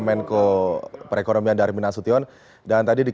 mengenai pasar modal ini